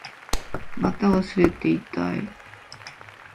股が擦れて痛い